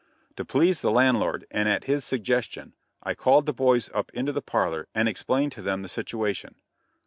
To please the landlord, and at his suggestion, I called the boys up into the parlor and explained to them the situation.